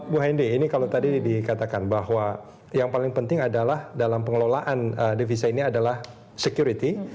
bu hendy ini kalau tadi dikatakan bahwa yang paling penting adalah dalam pengelolaan devisa ini adalah security